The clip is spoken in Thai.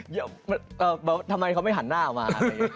เอ่อบอกว่าทำไมเขาไม่หันหน้าออกมา